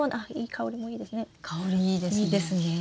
香りいいですね。